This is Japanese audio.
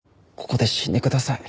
ここで死んでください。